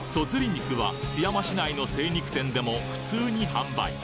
肉は津山市内の精肉店でも普通に販売